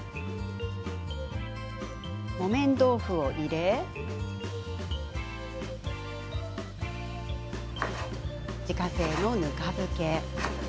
木綿豆腐を入れ自家製のぬか漬け。